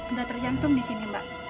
udah tercantum disini mbak